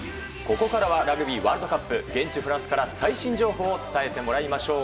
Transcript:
ここからはラグビーワールドカップ現地フランスから最新情報を伝えてもらいましょう。